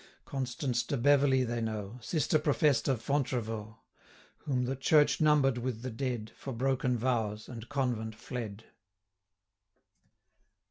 Constance de Beverley they know, Sister profess'd of Fontevraud, Whom the Church number'd with the dead, For broken vows, and convent fled.